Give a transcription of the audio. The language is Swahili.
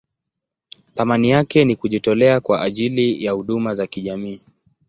Thamani yake ni kujitolea kwa ajili ya huduma za kijamii.